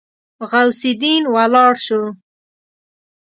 غوث الدين ولاړ شو.